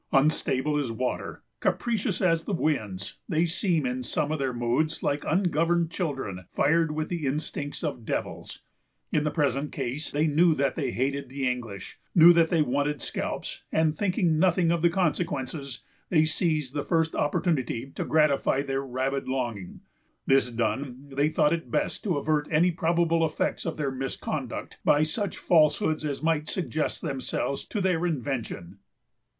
Unstable as water, capricious as the winds, they seem in some of their moods like ungoverned children fired with the instincts of devils. In the present case, they knew that they hated the English,——knew that they wanted scalps; and thinking nothing of the consequences, they seized the first opportunity to gratify their rabid longing. This done, they thought it best to avert any probable effects of their misconduct by such falsehoods as might suggest themselves to their invention.